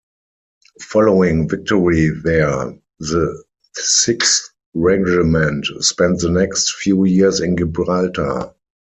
Following victory there, the Sixth Regiment spent the next few years in Gibraltar.